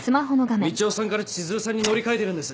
みちおさんから千鶴さんに乗り換えてるんです！